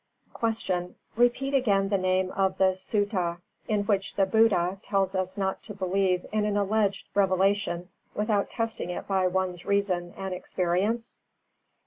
326. Q. _Repeat again the name of the Sutta, in which the Buddha tells us not to believe in an alleged revelation without testing it by one's reason and experience?